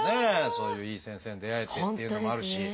そういういい先生に出会えてっていうのもあるし。